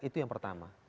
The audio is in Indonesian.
itu yang pertama